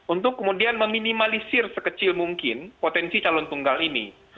untuk kemudian meminimalisir sekecil mungkin potensi calon tunggal ini